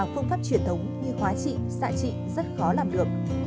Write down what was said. phương pháp truyền thống như hóa trị xạ trị rất khó làm được